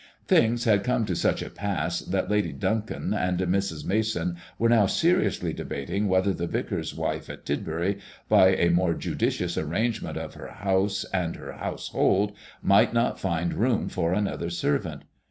Things had come to such a pass that Lady Duncombe and Mrs. Mason were now seriously deba ting whether the vicar's wife at Tidbury, by a more judicious arrangement of her house and her household, might not find room for another servant.